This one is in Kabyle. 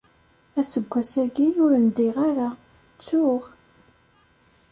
Aseggas-agi ur ndiɣ ara. Ttuɣ.